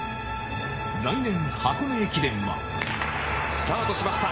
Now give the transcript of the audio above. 来年、箱根駅伝は。スタートしました。